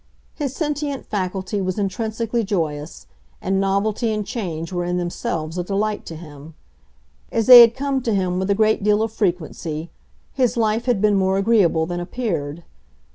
His sentient faculty was intrinsically joyous, and novelty and change were in themselves a delight to him. As they had come to him with a great deal of frequency, his life had been more agreeable than appeared.